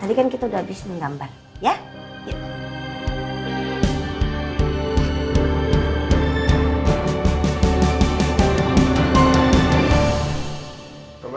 tadi kan kita udah habis menggambar